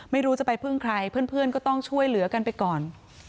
ไม่รู้จะไปพึ่งใครเพื่อนก็ต้องช่วยเหลือกันไปก่อน